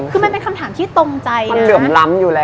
คือมันเป็นคำถามที่ตรงใจมันเหลื่อมล้ำอยู่แล้ว